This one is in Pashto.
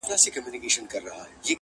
کور ساړه او دروند دی او ژوند پکي بند,